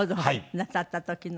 なさった時のね。